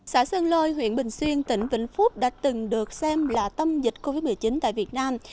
xã sơn lôi huyện bình xuyên tỉnh vĩnh phúc đã từng được xem là tâm dịch covid một mươi chín tại việt nam